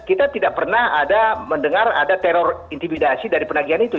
kita tidak pernah ada mendengar ada teror intimidasi dari penagihan itu